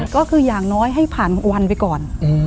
ก็คืออย่างน้อยให้ผ่านวันไปก่อน